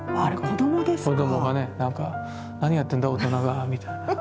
子供がねなんか何やってんだ大人がみたいな。